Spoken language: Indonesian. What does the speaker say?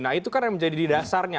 nah itu kan yang menjadi di dasarnya